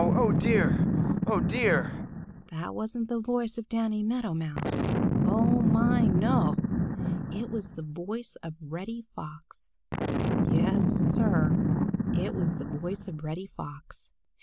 Oh, dear! Oh, dear!" That wasn't the voice of Danny Meadow Mouse. Oh, my, no! It was the voice of Reddy Fox. Yes, Sir, it was the voice of Reddy Fox.